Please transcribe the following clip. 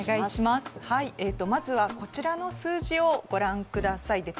まずは、こちらの数字をご覧ください。